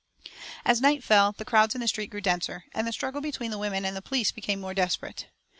As night fell the crowds in the street grew denser, and the struggle between the women and the police became more desperate.